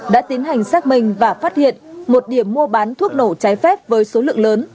quá trình xác minh và phát hiện một điểm mua bán thuốc nổ trái phép với số lượng lớn